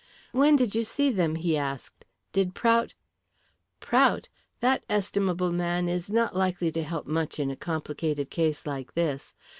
"When did you see them?" he asked. "Did Prout " "Prout! That estimable man is not likely to help much in a complicated case like this.